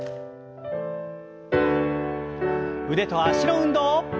腕と脚の運動。